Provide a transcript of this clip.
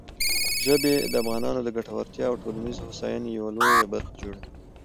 ژبې د افغانانو د ګټورتیا او ټولنیزې هوساینې یوه لویه برخه جوړوي.